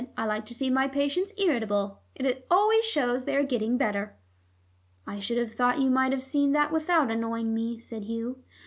"I like to see my patients irritable. It always shows they are getting better." "I should have thought you might have seen that without annoying me," said Hugh.